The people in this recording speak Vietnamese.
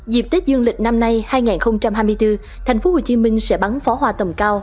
dịp tết dương lịch năm nay hai nghìn hai mươi bốn tp hcm sẽ bắn phó hoa tầm cao